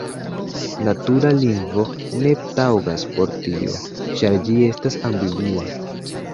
Natura lingvo ne taŭgas por tio, ĉar ĝi estas ambigua.